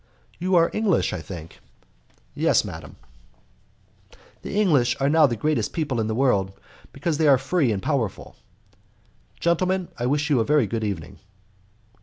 "You are English, I think?" "Yes, madam." "The English are now the greatest people in the world, because they are free and powerful. Gentlemen, I wish you a very good evening."